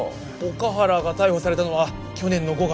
岡原が逮捕されたのは去年の５月。